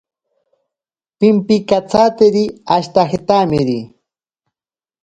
Pimpinkatsateri ashitajetamiri.